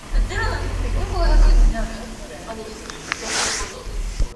Each level has two tracks and an island platform.